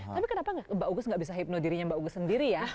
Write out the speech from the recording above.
tapi kenapa mbak ugus nggak bisa hipno dirinya mbak ugus sendiri ya